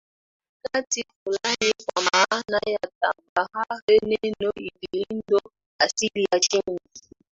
kwa makazi kwa wakati fulani kwa maana ya tambarare Neno hilindo asili ya nchi